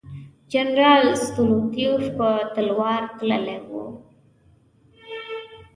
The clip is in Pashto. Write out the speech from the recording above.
جنرال ستولیتوف په تلوار تللی وو.